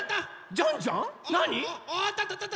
ジャンジャン！